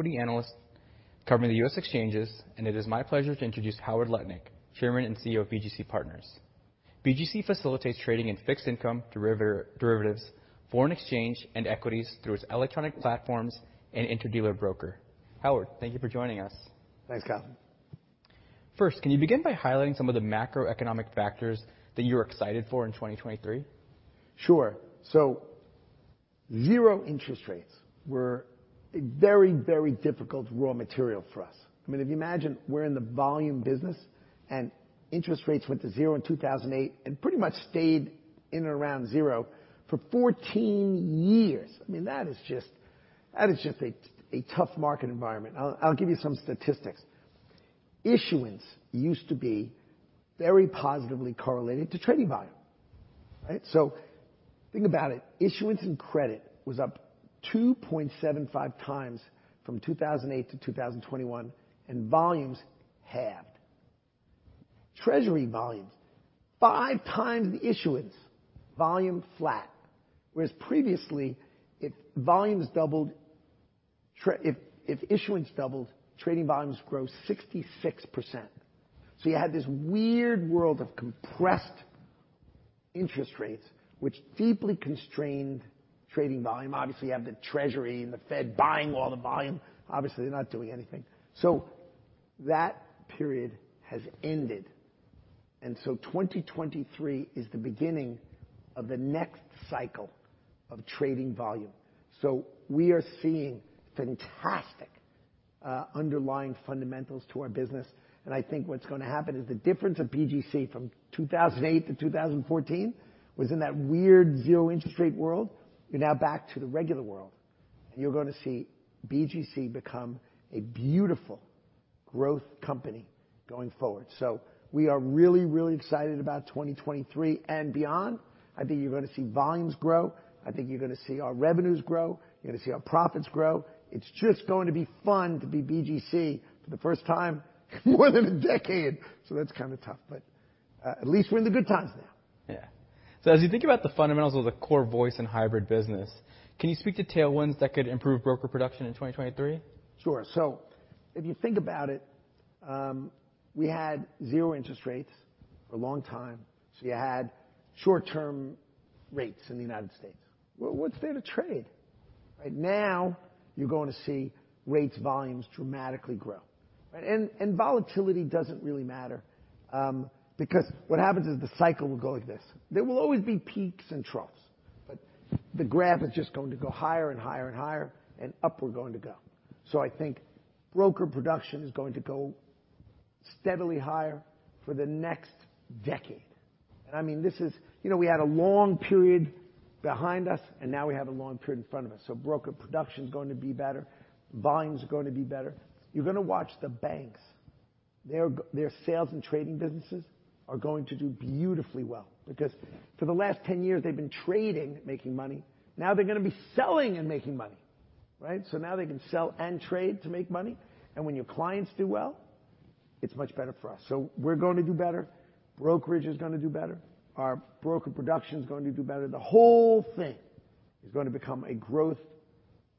Equity analysts covering the U.S. exchanges. It is my pleasure to introduce Howard Lutnick, Chairman and CEO of BGC Partners. BGC facilitates trading in fixed income, derivatives, foreign exchange, and equities through its electronic platforms and interdealer broker. Howard, thank you for joining us. Thanks, Gautam. First, can you begin by highlighting some of the macroeconomic factors that you're excited for in 2023? Sure. Zero interest rates were a very, very difficult raw material for us. I mean, if you imagine we're in the volume business and interest rates went to zero in 2008 and pretty much stayed in and around zero for 14 years. I mean, that is just a tough market environment. I'll give you some statistics. Issuance used to be very positively correlated to trading volume, right? Think about it. Issuance and credit was up 2.75 times from 2008 to 2021, and volumes halved. Treasury volumes, five times the issuance, volume flat. Whereas previously, if volumes doubled if issuance doubled, trading volumes grow 66%. You had this weird world of compressed interest rates which deeply constrained trading volume. Obviously, you have the Treasury and the Fed buying all the volume. Obviously, they're not doing anything. That period has ended. 2023 is the beginning of the next cycle of trading volume. We are seeing fantastic underlying fundamentals to our business. I think what's going to happen is the difference of BGC from 2008 to 2014 was in that weird zero interest rate world. We're now back to the regular world. You're going to see BGC become a beautiful growth company going forward. We are really excited about 2023 and beyond. I think you're going to see volumes grow. I think you're going to see our revenues grow. You're going to see our profits grow. It's just going to be fun to be BGC for the first time in more than a decade. That's kind of tough. At least we're in the good times now. Yeah. As you think about the fundamentals of the core voice and hybrid business, can you speak to tailwinds that could improve broker production in 2023? Sure. If you think about it, we had zore interest rates for a long time, you had short-term rates in the United States. Well, what's there to trade, right? Now you're going to see rates volumes dramatically grow, right? And volatility doesn't really matter, because what happens is the cycle will go like this. There will always be peaks and troughs, but the graph is just going to go higher and higher and higher, and up we're going to go. I think broker production is going to go steadily higher for the next decade. I mean, You know, we had a long period behind us, and now we have a long period in front of us, broker production's going to be better. Volumes are going to be better. You're gonna watch the banks. Their sales and trading businesses are going to do beautifully well because for the last 10 years, they've been trading, making money. Now they're going to be selling and making money, right? Now they can sell and trade to make money. When your clients do well, it's much better for us. We're going to do better. Brokerage is going to do better. Our broker production is going to do better. The whole thing is going to become a growth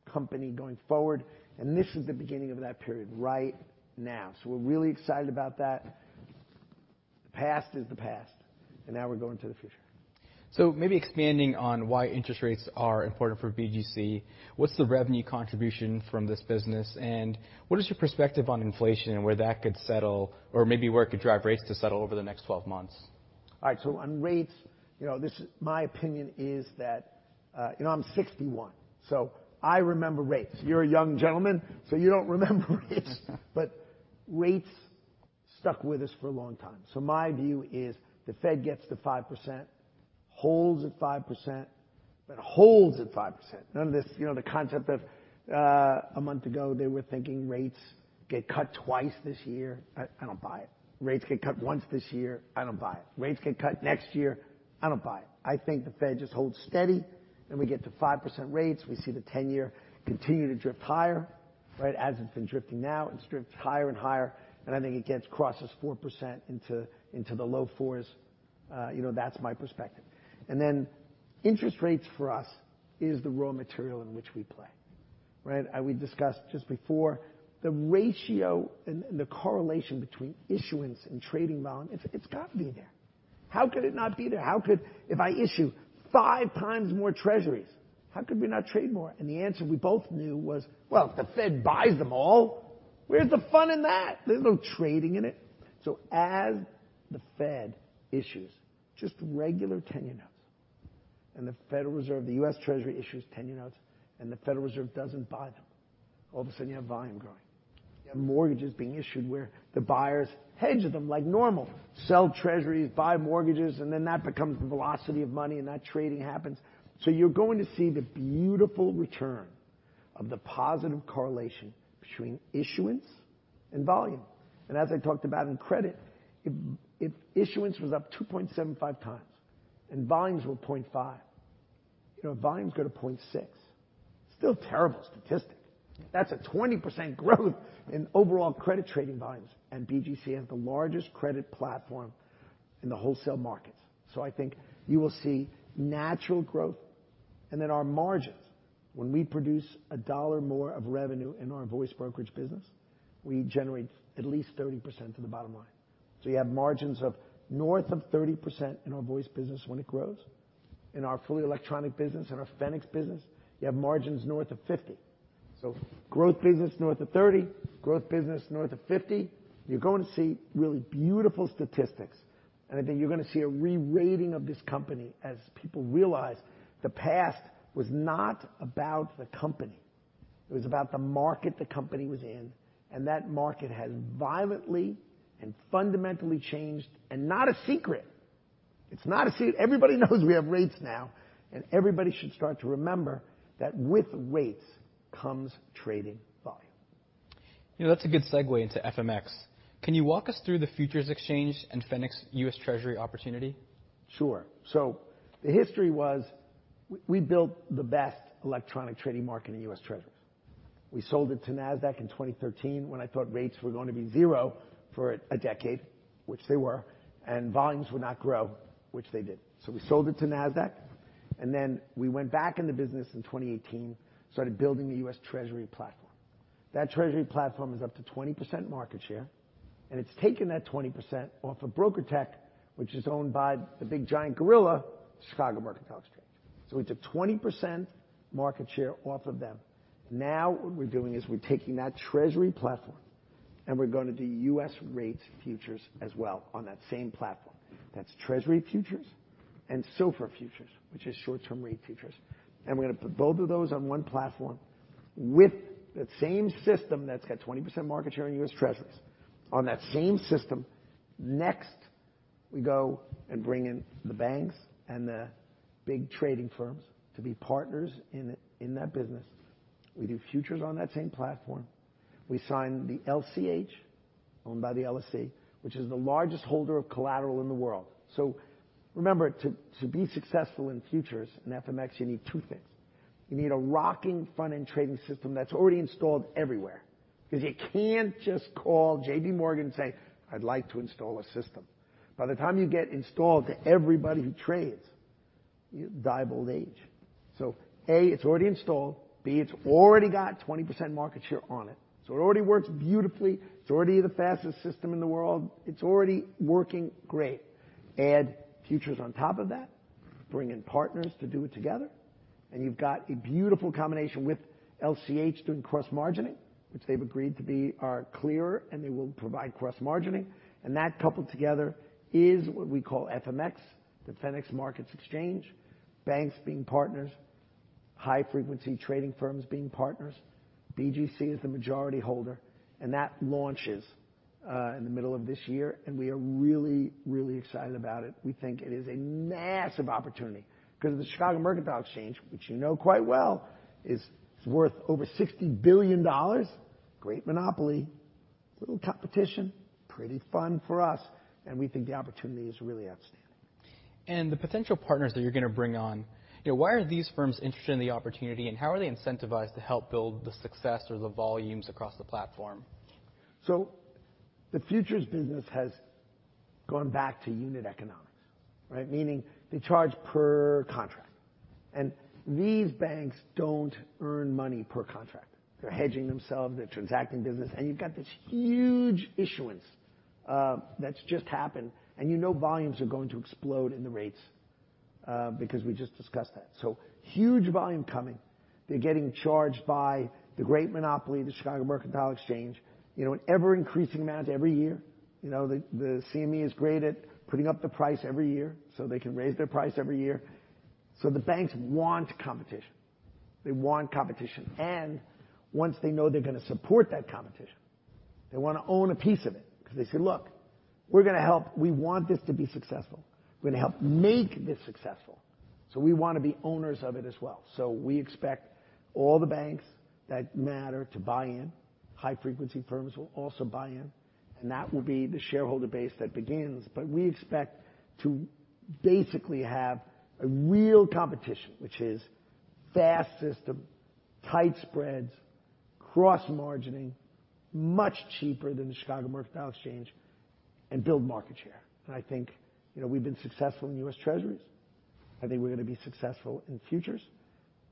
company going forward, and this is the beginning of that period right now. We're really excited about that. The past is the past, and now we're going to the future. Maybe expanding on why interest rates are important for BGC, what's the revenue contribution from this business? What is your perspective on inflation and where that could settle or maybe where it could drive rates to settle over the next 12 months? All right. On rates, you know, my opinion is that, you know, I'm 61, so I remember rates. You're a young gentleman, so you don't remember rates. Rates stuck with us for a long time. My view is the Fed gets to 5%, holds at 5%, but holds at 5%. None of this, you know, the concept of a month ago, they were thinking rates get cut twice this year. I don't buy it. Rates get cut once this year. I don't buy it. Rates get cut next year. I don't buy it. I think the Fed just holds steady, then we get to 5% rates. We see the 10-year continue to drift higher, right? As it's been drifting now. It drifts higher and higher, and I think it crosses 4% into the low four's. you know, that's my perspective. Interest rates for us is the raw material in which we play, right? As we discussed just before, the ratio and the correlation between issuance and trading volume, it's got to be there. How could it not be there? If I issue five times more treasuries, how could we not trade more? The answer we both knew was, well, if the Fed buys them all, where's the fun in that? There's no trading in it. As the Fed issues just regular 10-year notes, the US Treasury issues 10-year notes, and the Federal Reserve doesn't buy them, all of a sudden you have volume growing. You have mortgages being issued where the buyers hedge them like normal, sell treasuries, buy mortgages, and then that becomes the velocity of money, and that trading happens. You're going to see the beautiful return of the positive correlation between issuance and volume. As I talked about in credit, if issuance was up 2.75 times and volumes were 0.5, you know, volumes go to 0.6. Still terrible statistic. That's a 20% growth in overall credit trading volumes, and BGC has the largest credit platform in the wholesale markets. I think you will see natural growth and then our margins. When we produce $1 more of revenue in our voice brokerage business, we generate at least 30% to the bottom line. You have margins of north of 30% in our voice business when it grows. In our fully electronic business and our Fenics business, you have margins north of 50%. Growth business north of 30%, growth business north of 50%. You're going to see really beautiful statistics, I think you're gonna see a re-rating of this company as people realize the past was not about the company, it was about the market the company was in. That market has violently and fundamentally changed. Not a secret. It's not a secret. Everybody knows we have rates now, and everybody should start to remember that with rates comes trading volume. You know, that's a good segue into FMX. Can you walk us through the futures exchange and Fenics US Treasury opportunity? Sure. The history was we built the best electronic trading market in US Treasuries. We sold it to Nasdaq in 2013 when I thought rates were going to be zero for a decade, which they were, and volumes would not grow, which they did. We sold it to Nasdaq, and then we went back in the business in 2018, started building the U.S. Treasury platform. That Treasury platform is up to 20% market share, and it's taken that 20% off of BrokerTec, which is owned by the big giant gorilla, Chicago Mercantile Exchange. We took 20% market share off of them. Now what we're doing is we're taking that Treasury platform, and we're gonna do US rate futures as well on that same platform. That's Treasury futures and SOFR futures, which is short-term rate futures. We're gonna put both of those on one platform with that same system that's got 20% market share in US Treasuries. On that same system, next, we go and bring in the banks and the big trading firms to be partners in that business. We do futures on that same platform. We sign the LCH, owned by the LSE, which is the largest holder of collateral in the world. Remember to be successful in futures in FMX, you need two things. You need a rocking front-end trading system that's already installed everywhere, 'cause you can't just call J.P. Morgan and say, "I'd like to install a system." By the time you get installed to everybody who trades, you die of old age. A, it's already installed. B, it's already got 20% market share on it, so it already works beautifully. It's already the fastest system in the world. It's already working great. Add futures on top of that, bring in partners to do it together, you've got a beautiful combination with LCH doing cross-margining, which they've agreed to be our clearer, and they will provide cross-margining. That coupled together is what we call FMX, the Fenics Markets Xchange. Banks being partners, high-frequency trading firms being partners. BGC is the majority holder, and that launches in the middle of this year, and we are really, really excited about it. We think it is a massive opportunity 'cause the Chicago Mercantile Exchange, which you know quite well, is worth over $60 billion. Great monopoly, little competition, pretty fun for us, we think the opportunity is really outstanding. The potential partners that you're gonna bring on, you know, why are these firms interested in the opportunity, and how are they incentivized to help build the success or the volumes across the platform? The futures business has gone back to unit economics, right? Meaning they charge per contract, and these banks don't earn money per contract. They're hedging themselves, they're transacting business, and you've got this huge issuance that's just happened, and you know volumes are going to explode in the rates because we just discussed that. Huge volume coming. They're getting charged by the great monopoly, the Chicago Mercantile Exchange, you know, an ever-increasing amount every year. You know, the CME is great at putting up the price every year so they can raise their price every year. The banks want competition. They want competition. Once they know they're gonna support that competition, they wanna own a piece of it 'cause they say, "Look, we're gonna help. We want this to be successful. We're gonna help make this successful, so we wanna be owners of it as well. We expect all the banks that matter to buy in. High-frequency firms will also buy in, and that will be the shareholder base that begins. We expect to basically have a real competition, which is fast system, tight spreads, cross-margining, much cheaper than the Chicago Mercantile Exchange, and build market share. I think, you know, we've been successful in US Treasuries. I think we're gonna be successful in futures,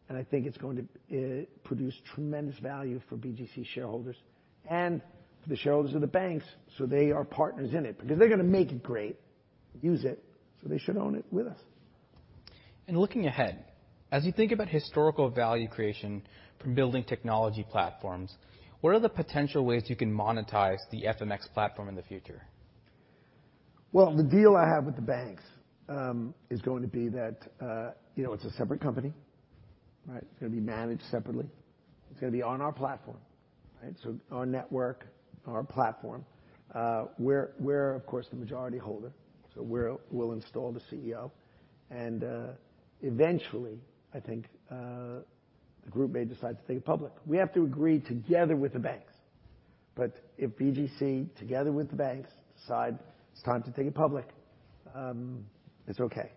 and I think it's going to produce tremendous value for BGC shareholders and for the shareholders of the banks, so they are partners in it. They're gonna make it great, use it, so they should own it with us. Looking ahead, as you think about historical value creation from building technology platforms, what are the potential ways you can monetize the FMX platform in the future? The deal I have with the banks, you know, it's a separate company, right? It's gonna be managed separately. It's gonna be on our platform, right? Our network, our platform, we're of course the majority holder, so we'll install the CEO and eventually, I think, the group may decide to take it public. We have to agree together with the banks. If BGC, together with the banks, decide it's time to take it public, it's okay.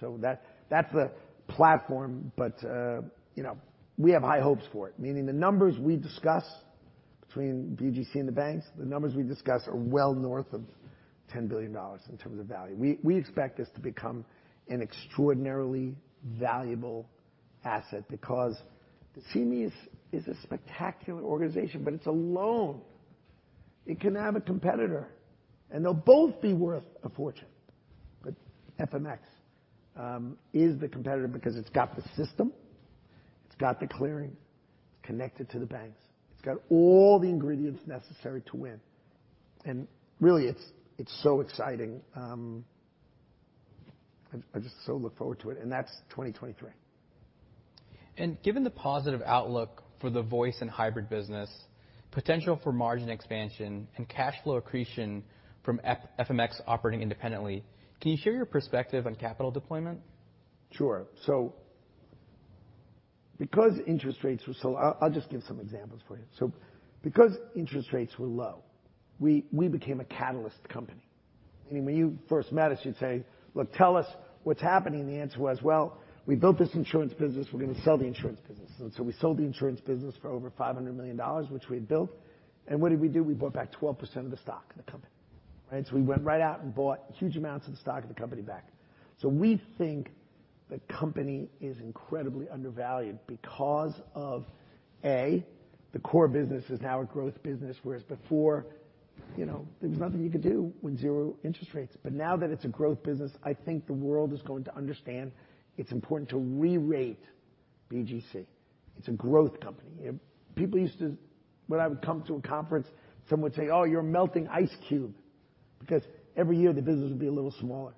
That's the platform. You know, we have high hopes for it, meaning the numbers we discussBetween BGC and the banks, the numbers we discussed are well north of $10 billion in terms of value. We expect this to become an extraordinarily valuable asset because the CME is a spectacular organization, it's a loan. It can have a competitor, they'll both be worth a fortune. FMX is the competitor because it's got the system, it's got the clearing connected to the banks. It's got all the ingredients necessary to win. Really, it's so exciting. I just so look forward to it, that's 2023. given the positive outlook for the voice and hybrid business, potential for margin expansion and cash flow accretion from FMX operating independently, can you share your perspective on capital deployment? Sure. I'll just give some examples for you. Because interest rates were low, we became a catalyst company. I mean, when you first met us, you'd say, "Look, tell us what's happening." The answer was, "Well, we built this insurance business. We're gonna sell the insurance business." We sold the insurance business for over $500 million, which we had built. What did we do? We bought back 12% of the stock in the company, right? We went right out and bought huge amounts of the stock of the company back. We think the company is incredibly undervalued because of, A, the core business is now a growth business, whereas before, you know, there was nothing you could do with zero interest rates. Now that it's a growth business, I think the world is going to understand it's important to rerate BGC. It's a growth company. When I would come to a conference, some would say, "Oh, you're a melting ice cube," because every year the business would be a little smaller.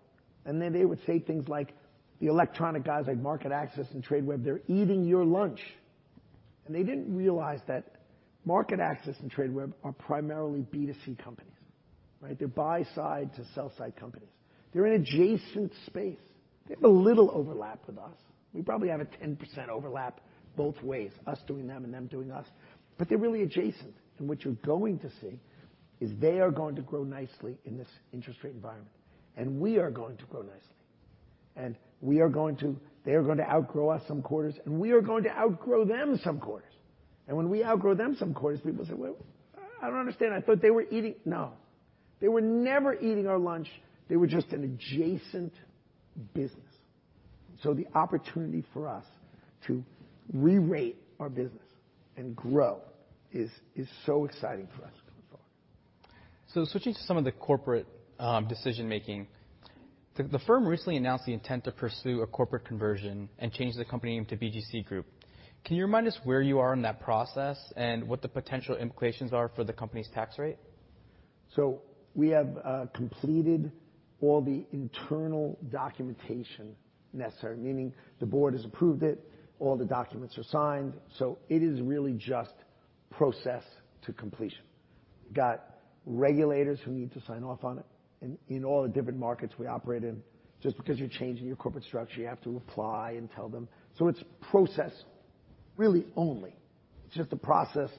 They would say things like, "The electronic guys like MarketAxess and Tradeweb, they're eating your lunch." They didn't realize that MarketAxess and Tradeweb are primarily B2C companies, right? They're buy side to sell side companies. They're an adjacent space. They have a little overlap with us. We probably have a 10% overlap both ways, us doing them and them doing us, but they're really adjacent. What you're going to see is they are going to grow nicely in this interest rate environment, and we are going to grow nicely. We are going to they are going to outgrow us some quarters, and we are going to outgrow them some quarters. When we outgrow them some quarters, people say, "Well, I don't understand. I thought they were eating..." No, they were never eating our lunch. They were just an adjacent business. The opportunity for us to rerate our business and grow is so exciting for us going forward. Switching to some of the corporate decision-making. The firm recently announced the intent to pursue a corporate conversion and change the company name to BGC Group. Can you remind us where you are in that process and what the potential implications are for the company's tax rate? We have completed all the internal documentation necessary, meaning the board has approved it, all the documents are signed, so it is really just process to completion. We've got regulators who need to sign off on it in all the different markets we operate in. Just because you're changing your corporate structure, you have to apply and tell them. It's process really only. It's just a process,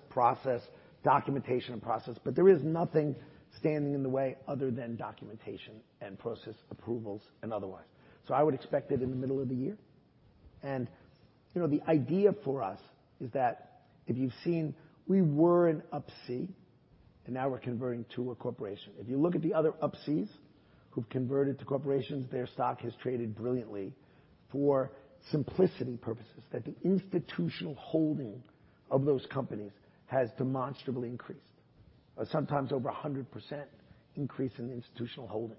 documentation and process. There is nothing standing in the way other than documentation and process approvals and otherwise. I would expect it in the middle of the year. You know, the idea for us is that if you've seen we were an Up-C, and now we're converting to a corporation. If you look at the other Up-Cs who've converted to corporations, their stock has traded brilliantly for simplicity purposes, that the institutional holding of those companies has demonstrably increased. Sometimes over a 100% increase in institutional holding.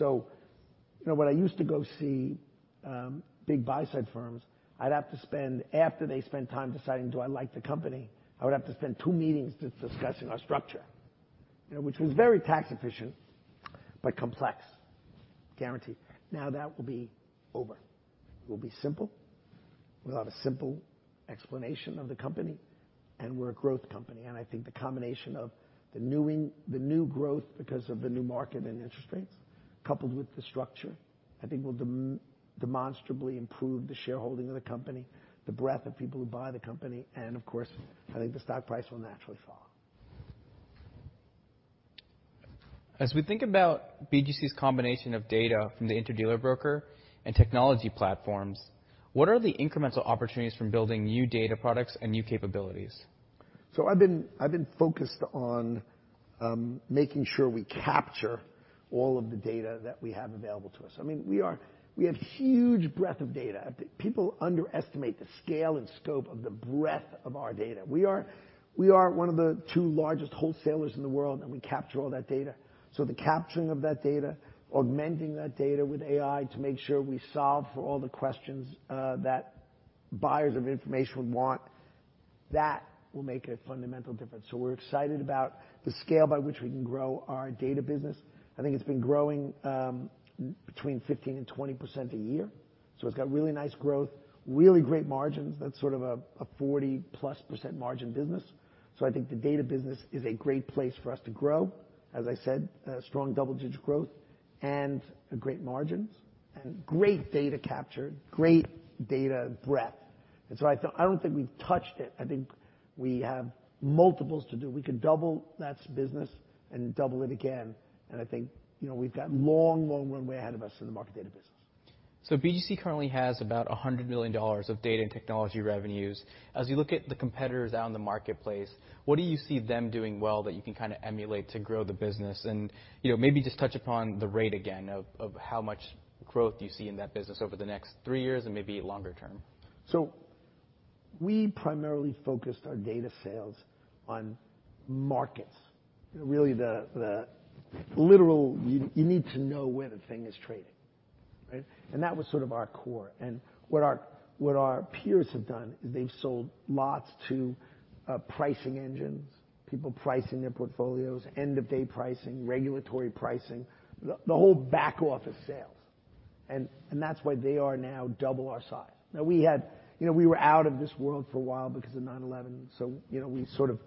You know, when I used to go see, big buy side firms, after they spend time deciding, do I like the company? I would have to spend 2 meetings just discussing our structure. You know, which was very tax efficient but complex, guaranteed. Now that will be over. We'll be simple. We'll have a simple explanation of the company, and we're a growth company. I think the combination of the new growth because of the new market and interest rates, coupled with the structure, I think will demonstrably improve the shareholding of the company, the breadth of people who buy the company, and of course, I think the stock price will naturally follow. As we think about BGC's combination of data from the interdealer broker and technology platforms, what are the incremental opportunities from building new data products and new capabilities? I've been focused on making sure we capture all of the data that we have available to us. I mean, we have huge breadth of data. People underestimate the scale and scope of the breadth of our data. We are one of the two largest wholesalers in the world, and we capture all that data. The capturing of that data, augmenting that data with AI to make sure we solve for all the questions that buyers of information want, that will make a fundamental difference. We're excited about the scale by which we can grow our data business. I think it's been growing between 15% and 20% a year. It's got really nice growth, really great margins. That's sort of a 40%+ margin business. I think the data business is a great place for us to grow. As I said, strong double-digit growth and great margins and great data capture, great data breadth. I don't think we've touched it. I think we have multiples to do. We can double that business and double it again. I think, you know, we've got long, long runway ahead of us in the market data business. BGC currently has about $100 million of data and technology revenues. As you look at the competitors out in the marketplace, what do you see them doing well that you can kinda emulate to grow the business? You know, maybe just touch upon the rate again of how much growth do you see in that business over the next three years and maybe longer term. We primarily focused our data sales on markets, really the literal... You need to know where the thing is trading, right? That was sort of our core and what our peers have done, they've sold lots to pricing engines, people pricing their portfolios, end-of-day pricing, regulatory pricing, the whole back office sales. That's why they are now double our size. Now, you know, we were out of this world for a while because of 9/11, you know, we sort of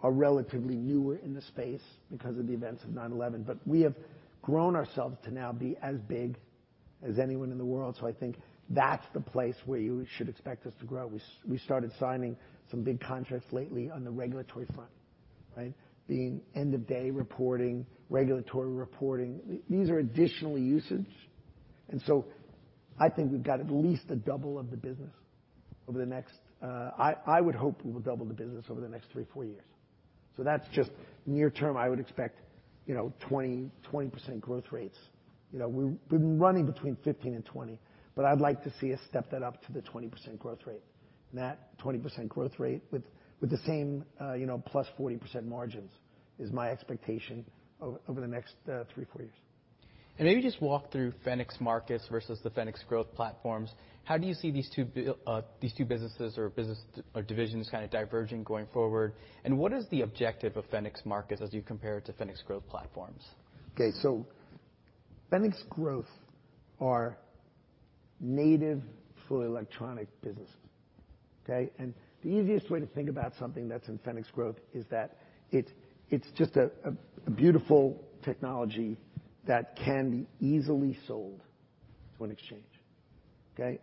are relatively newer in the space because of the events of 9/11, we have grown ourselves to now be as big as anyone in the world. I think that's the place where you should expect us to grow. We started signing some big contracts lately on the regulatory front, right? Being end-of-day reporting, regulatory reporting. These are additional usage. I would hope we would double the business over the next three, four years. That's just near term, I would expect, you know, 20%, 20% growth rates. You know, we've been running between 15 and 20, but I'd like to see us step that up to the 20% growth rate. That 20% growth rate with the same, you know, +40% margins is my expectation over the next three, four years. Maybe just walk through Fenics Markets versus the Fenics Growth platforms. How do you see these two businesses or divisions kinda diverging going forward? What is the objective of Fenics Markets as you compare it to Fenics Growth platforms? Fenics Growth are native for electronic businesses, okay? The easiest way to think about something that's in Fenics Growth is that it's just a beautiful technology that can be easily sold to an exchange, okay?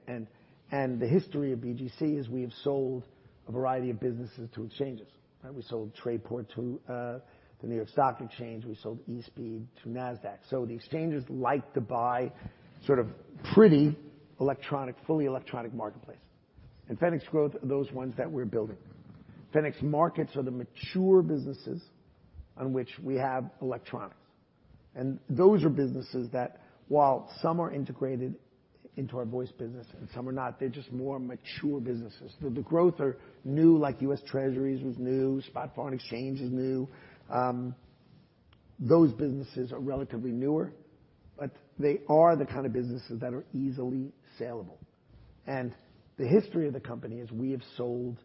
The history of BGC is we have sold a variety of businesses to exchanges, right? We sold Trayport to the New York Stock Exchange, we sold eSpeed to Nasdaq. The exchanges like to buy sort of pretty electronic, fully electronic marketplace. Fenics Growth are those ones that we're building. Fenics Markets are the mature businesses on which we have electronics, and those are businesses that while some are integrated into our voice business and some are not, they're just more mature businesses. The growth are new, like US Treasuries was new, Spot Foreign Exchange is new. Those businesses are relatively newer, but they are the kind of businesses that are easily sellable. The history of the company is we have sold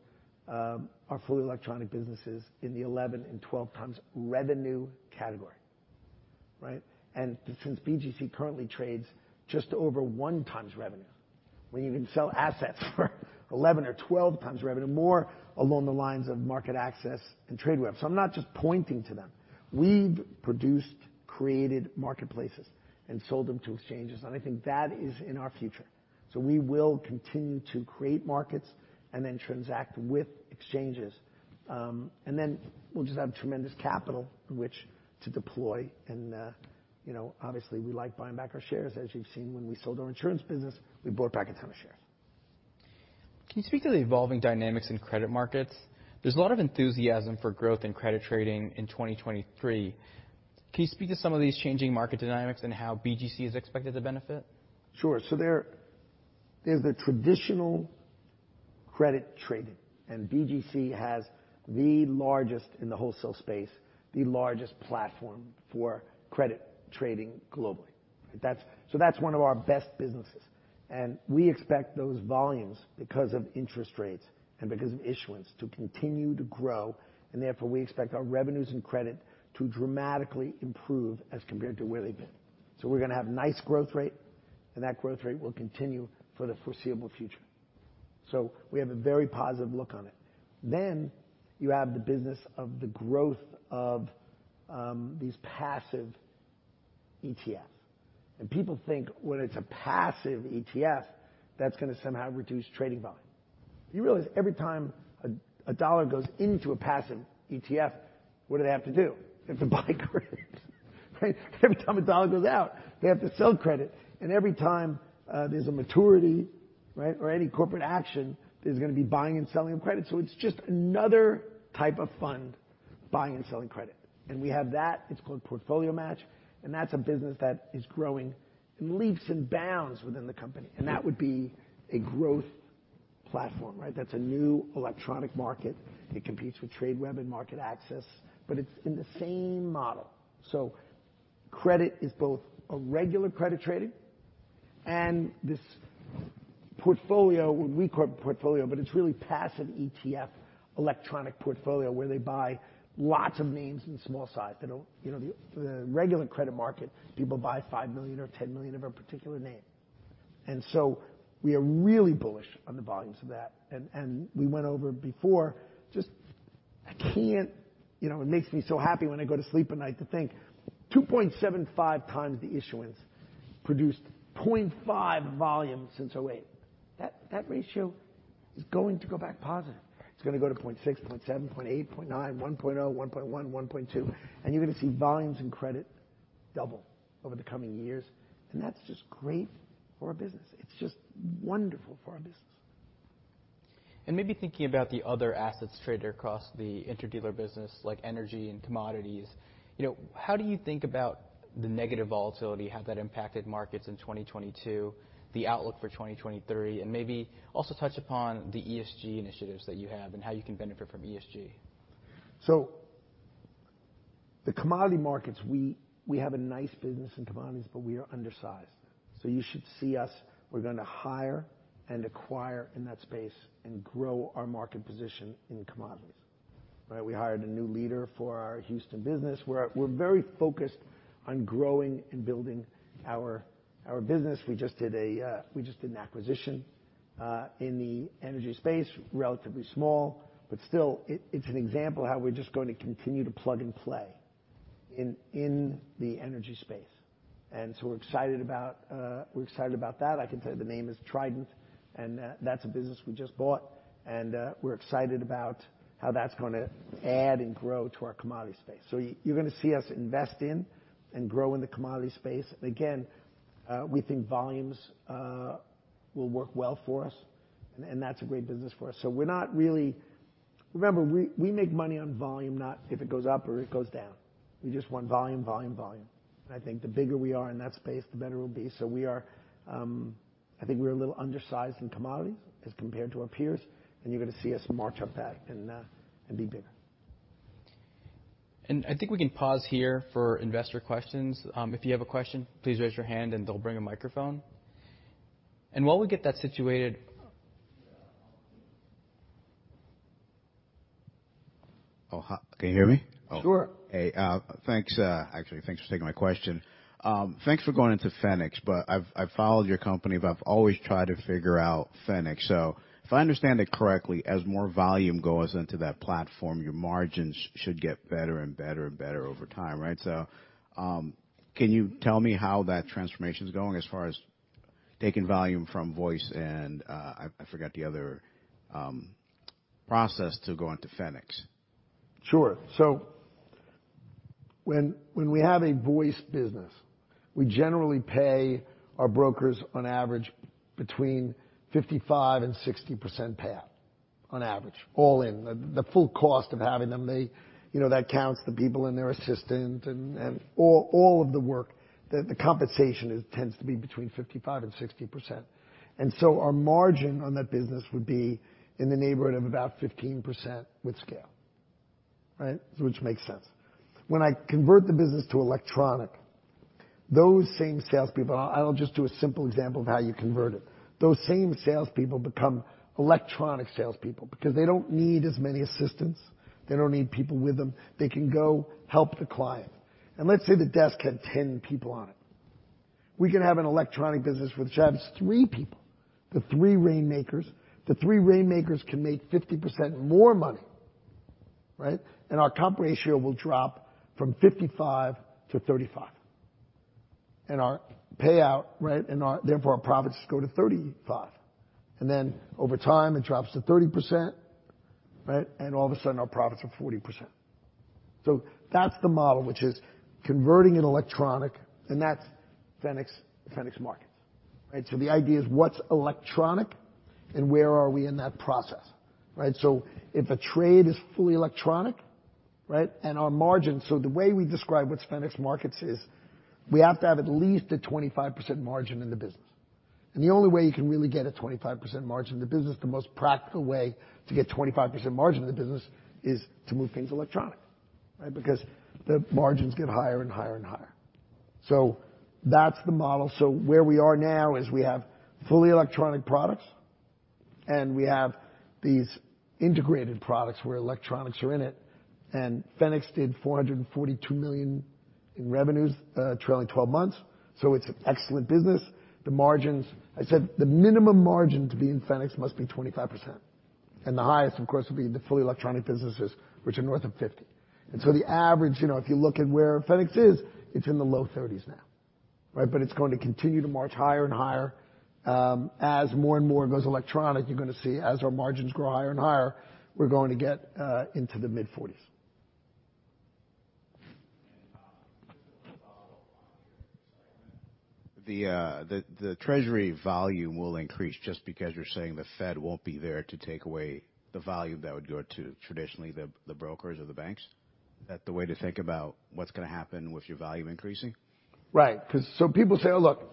our fully electronic businesses in the 11 and 12 times revenue category, right? Since BGC currently trades just over one time revenue, we can sell assets for 11 or 12 times revenue, more along the lines of MarketAxess and Tradeweb. I'm not just pointing to them. We've produced, created marketplaces and sold them to exchanges, and I think that is in our future. We will continue to create markets and then transact with exchanges. We'll just have tremendous capital in which to deploy. You know, obviously, we like buying back our shares. As you've seen when we sold our insurance business, we bought back a ton of shares. Can you speak to the evolving dynamics in credit markets? There's a lot of enthusiasm for growth in credit trading in 2023. Can you speak to some of these changing market dynamics and how BGC is expected to benefit? Sure. There's the traditional credit trading, and BGC has the largest in the wholesale space, the largest platform for credit trading globally. That's one of our best businesses. We expect those volumes because of interest rates and because of issuance to continue to grow, and therefore, we expect our revenues and credit to dramatically improve as compared to where they've been. We're gonna have nice growth rate, and that growth rate will continue for the foreseeable future. We have a very positive look on it. You have the business of the growth of these passive ETF. People think when it's a passive ETF, that's gonna somehow reduce trading volume. You realize every time a dollar goes into a passive ETF, what do they have to do? They have to buy credits, right? Every time a dollar goes out, they have to sell credit. Every time, there's a maturity, right, or any corporate action, there's going to be buying and selling of credit. It's just another type of fund buying and selling credit. We have that, it's called Fenics PortfolioMatch, and that's a business that is growing in leaps and bounds within the company. That would be a growth platform, right? That's a new electronic market. It competes with Tradeweb and MarketAxess, but it's in the same model. Credit is both a regular credit trading and this portfolio, what we call portfolio, but it's really passive ETF electronic portfolio, where they buy lots of names in small size. They don't. You know, the regular credit market, people buy $5 million or $10 million of a particular name. We are really bullish on the volumes of that. We went over before You know, it makes me so happy when I go to sleep at night to think 2.75x the issuance produced 0.5 volume since 2008. That ratio is going to go back positive. It's gonna to 0.6, 0.7, 0.8, 0.9, 1.0, 1.1.2, and you're gonna see volumes in credit double over the coming years. That's just great for our business. It's just wonderful for our business. Maybe thinking about the other assets traded across the interdealer business, like energy and commodities, you know, how do you think about the negative volatility, how that impacted markets in 2022, the outlook for 2023, and maybe also touch upon the ESG initiatives that you have and how you can benefit from ESG? The commodity markets, we have a nice business in commodities, but we are undersized. You should see us. We're gonna hire and acquire in that space and grow our market position in commodities, right? We hired a new leader for our Houston business. We're very focused on growing and building our business. We just did an acquisition in the energy space, relatively small, but still it's an example of how we're just going to continue to plug and play in the energy space. We're excited about that. I can tell you the name is Trident, and that's a business we just bought. We're excited about how that's going to add and grow to our commodity space. You're gonna see us invest in and grow in the commodity space. we think volumes will work well for us and that's a great business for us. Remember, we make money on volume, not if it goes up or it goes down. We just want volume, volume. I think the bigger we are in that space, the better it'll be. we are, I think we're a little undersized in commodities as compared to our peers, and you're going to see us march up that and be bigger. I think we can pause here for investor questions. If you have a question, please raise your hand and they'll bring a microphone. While we get that Oh, hi. Can you hear me? Sure. Hey, thanks. Actually, thanks for taking my question. Thanks for going into Fenics, but I've followed your company, but I've always tried to figure out Fenics. If I understand it correctly, as more volume goes into that platform, your margins should get better and better and better over time, right? Can you tell me how that transformation's going as far as taking volume from voice and, I forgot the other process to go into Fenics? When we have a voice business, we generally pay our brokers on average between 55% and 60% payout on average, all in. The full cost of having them. They, you know, that counts the people and their assistant and all of the work. The compensation is tends to be between 55% and 60%. Our margin on that business would be in the neighborhood of about 15% with scale, right? Which makes sense. When I convert the business to electronic, those same salespeople. I'll just do a simple example of how you convert it. Those same salespeople become electronic salespeople because they don't need as many assistants. They don't need people with them. They can go help the client. Let's say the desk had 10 people on it. We can have an electronic business which has three people. The three rainmakers. The three rainmakers can make 50% more money, right? Our comp ratio will drop from 55 to 35. Our payout, right, and our therefore our profits go to 35, and then over time, it drops to 30%, right? All of a sudden, our profits are 40%. That's the model which is converting it electronic, and that's Fenics Markets, right? The idea is what's electronic and where are we in that process, right? If a trade is fully electronic, right, and our margin... The way we describe what's Fenics Markets is we have to have at least a 25% margin in the business. The only way you can really get a 25% margin in the business, the most practical way to get 25% margin in the business is to move things electronic, right? Because the margins get higher and higher and higher. That's the model. Where we are now is we have fully electronic products, and we have these integrated products where electronics are in it, and Fenics did $442 million in revenues, trailing 12 months. It's an excellent business. The margins, I said the minimum margin to be in Fenics must be 25%. The highest, of course, will be the fully electronic businesses, which are north of 50%. The average, you know, if you look at where Fenics is, it's in the low 30s now, right? It's going to continue to march higher and higher, as more and more of it goes electronic. You're gonna see as our margins grow higher and higher, we're going to get into the mid-40s. Just to follow up on your statement. The Treasury volume will increase just because you're saying the Fed won't be there to take away the volume that would go to traditionally the brokers or the banks. Is that the way to think about what's gonna happen with your volume increasing? Right. 'Cause people say, "Oh, look,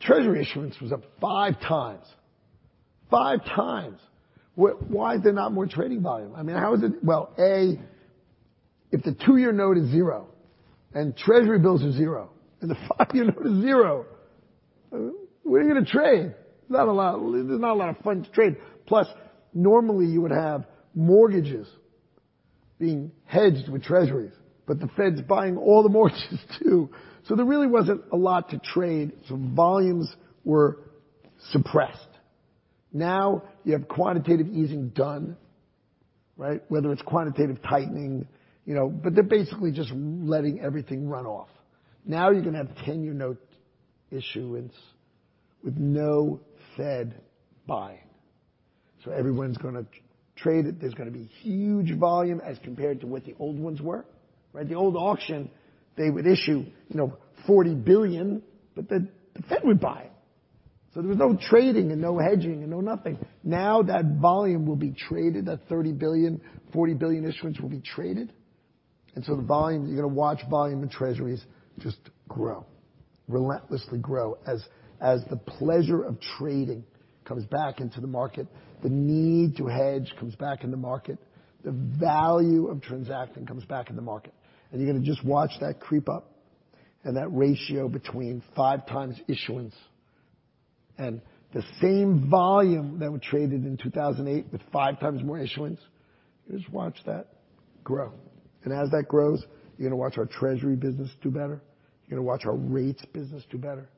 Treasury issuance was up five times. Five times. Why is there not more trading volume? I mean, how is it." Well, A, if the two-year note is zero and Treasury bills are zero, and the five-year note is zero, what are you gonna trade? There's not a lot of fun to trade. Normally you would have mortgages being hedged with treasuries, but the Fed's buying all the mortgages too. There really wasn't a lot to trade, so volumes were suppressed. Now you have quantitative easing done. Right? Whether it's quantitative tightening, you know, but they're basically just letting everything run off. Now you're gonna have 10-year note issuance with no Fed buying. Everyone's gonna trade it. There's gonna be huge volume as compared to what the old ones were, right? The old auction, they would issue, you know, $40 billion, but the Fed would buy it. There was no trading and no hedging and no nothing. Now that volume will be traded, that $30 billion, $40 billion issuance will be traded. The volume. You're gonna watch volume and treasuries just grow, relentlessly grow as the pleasure of trading comes back into the market, the need to hedge comes back in the market, the value of transacting comes back in the market. You're gonna just watch that creep up and that ratio between 5 times issuance and the same volume that were traded in 2008 with 5 times more issuance. You just watch that grow. As that grows, you're gonna watch our treasury business do better. You're gonna watch our rates business do better.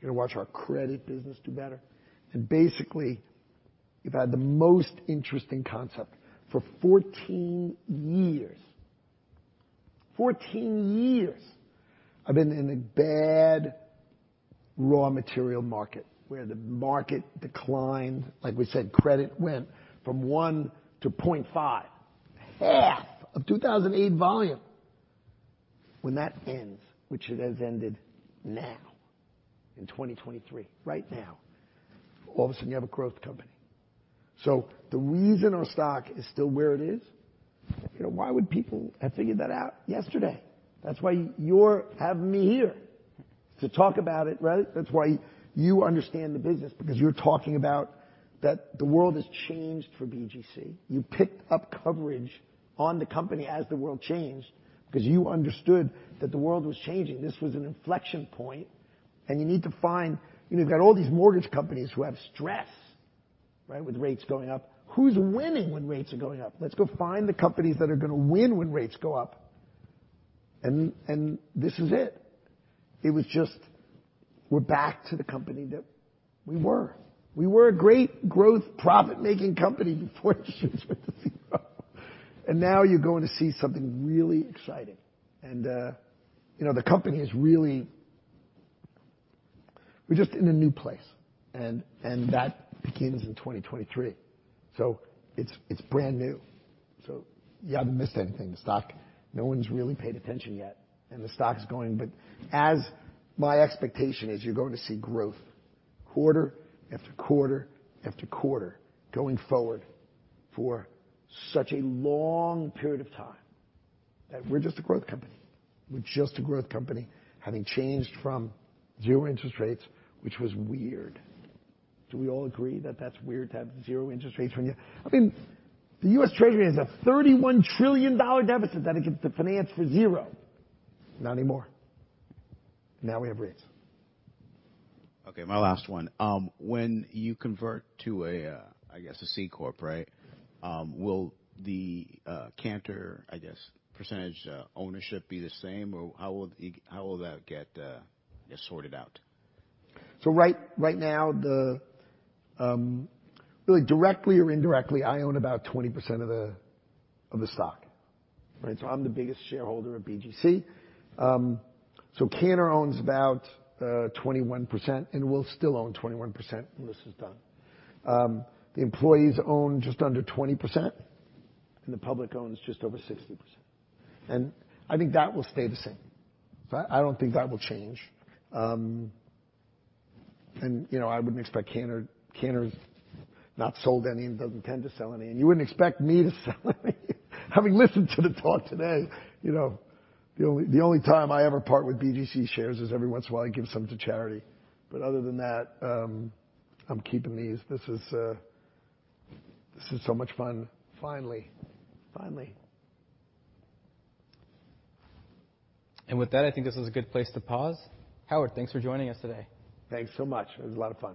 You're gonna watch our credit business do better. Basically, you've had the most interesting concept for 14 years. 14 years of in a bad raw material market where the market declined. Like we said, credit went from 1 to 0.5, half of 2008 volume. When that ends, which it has ended now in 2023, right now, all of a sudden you have a growth company. The reason our stock is still where it is, you know, why would people have figured that out yesterday? That's why you're having me here to talk about it, right? That's why you understand the business, because you're talking about that the world has changed for BGC. You picked up coverage on the company as the world changed because you understood that the world was changing. This was an inflection point, and you need to find. You know, you've got all these mortgage companies who have stress, right, with rates going up. Who's winning when rates are going up? Let's go find the companies that are gonna win when rates go up. This is it. It was just we're back to the company that we were. We were a great growth profit-making company before interest rates went to 0. Now you're going to see something really exciting. You know, the company is really. We're just in a new place, and that begins in 2023. It's, it's brand new. You haven't missed anything. The stock, no one's really paid attention yet, and the stock's going. As my expectation is, you're going to see growth quarter after quarter after quarter going forward for such a long period of time that we're just a growth company. We're just a growth company having changed from zero interest rates, which was weird. Do we all agree that that's weird to have zero interest rates when I mean, the US Treasury has a $31 trillion deficit that it gets to finance for zero. Not anymore. Now we have rates. Okay, my last one. When you convert to a, I guess a C corp, right? Will the Cantor, I guess, percentage ownership be the same or how will that get sorted out? Right now, really directly or indirectly, I own about 20% of the stock, right? I'm the biggest shareholder of BGC. Cantor owns about 21% and will still own 21% when this is done. The employees own just under 20%, and the public owns just over 60%. I think that will stay the same. I don't think that will change. You know, I wouldn't expect Cantor. Cantor's not sold any and doesn't intend to sell any. You wouldn't expect me to sell any. Having listened to the talk today, you know, the only time I ever part with BGC shares is every once in a while I give some to charity. Other than that, I'm keeping these. This is so much fun. Finally. Finally. With that, I think this is a good place to pause. Howard, thanks for joining us today. Thanks so much. It was a lot of fun.